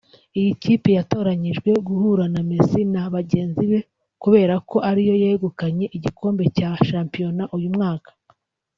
Iyi kipe yatoranyijwe guhura na Messi na bagenzi be kubera ko ariyo yegukanye igikombe cya shampiyona uyu mwaka